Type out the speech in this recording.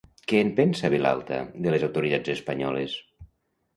Què en pensa, Vilalta, de les autoritats espanyoles?